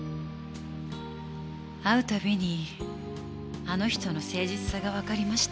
会うたびにあの人の誠実さがわかりました。